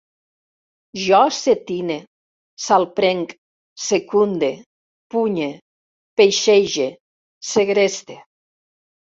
Jo setine, salprenc, secunde, punye, peixege, segreste